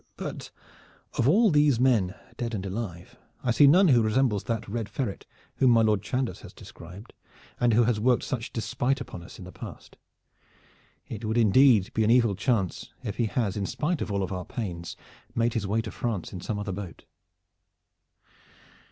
But of all these men dead and alive I see none who resembles that Red Ferret whom my Lord Chandos has described and who has worked such despite upon us in the past: It would indeed be an evil chance if he has in spite of all our pains made his way to France in some other boat."